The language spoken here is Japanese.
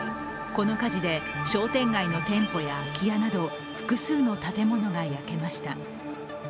この火事で商店街の店舗や空き家など複数の建物が焼けました。